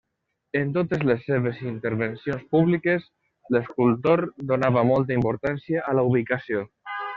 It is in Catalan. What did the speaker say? En totes les seves intervencions públiques, l'escultor donava molta importància a la ubicació.